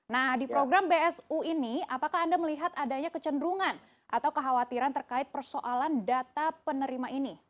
nah di program bsu ini apakah anda melihat adanya kecenderungan atau kekhawatiran terkait persoalan data penerima ini